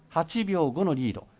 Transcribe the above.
８秒５のリード。